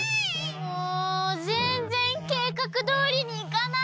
もうぜんぜんけいかくどおりにいかない！